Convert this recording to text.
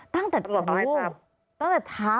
มันเป็นแบบที่สุดท้าย